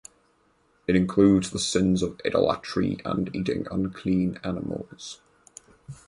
It includes the sins of idolatry and eating unclean animals.